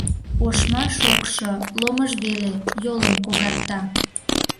Ошма шокшо, ломыж веле — йолым когарта.